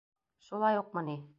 — Шулай уҡмы ни?